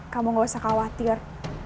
kamu gak usah khawatir